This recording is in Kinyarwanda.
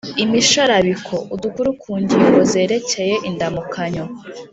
-imisharabiko; udukuru ku ngingo zerekeye: -indamukanyo;